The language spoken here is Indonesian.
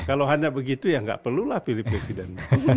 kalau hanya begitu ya nggak perlulah pilih presiden